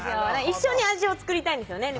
一緒に味を作りたいんですよね